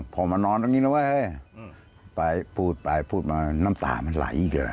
ผมมานอนตรงนี้นะเว้ย